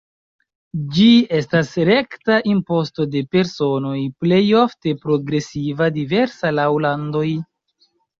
Ĝi estas rekta imposto de personoj, plej ofte progresiva, diversa laŭ landoj.